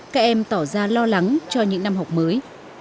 các em tỏ ra lo lắng cho những năm học mới